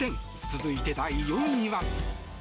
続いて、第４位は。